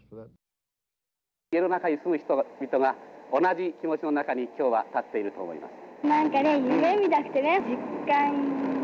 地球の中に住む人々が同じ気持ちの中に今日は立っていると思います。